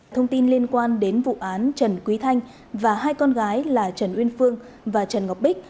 thông tin liên quan đến vụ án trần quý thanh và hai con gái là trần uyên phương và trần ngọc bích